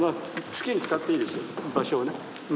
好きに使っていいです場所をね。